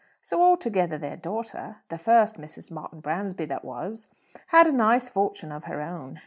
So altogether their daughter the first Mrs. Martin Bransby that was had a nice fortune of her own.